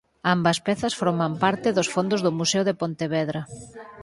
Ambas pezas forman parte dos fondos do Museo de Pontevedra.